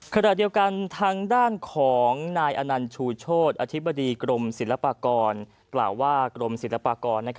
ขณะเดียวกันทางด้านของนายอนันชูโชธอธิบดีกรมศิลปากรกล่าวว่ากรมศิลปากร